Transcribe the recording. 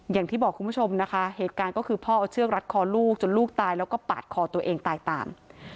อย่างที่บอกคุณผู้ชมนะคะเหตุการณ์ก็คือพ่อเอาเชือกรัดคอลูกจนลูกตายแล้วก็ปาดคอตัวเองตายตาม